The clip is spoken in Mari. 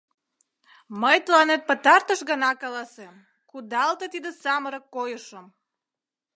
Мый тыланет пытартыш гана каласем: кудалте тиде самырык койышым!